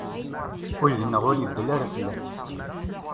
Ul-nneɣ ur ibeddel ara fell-ak.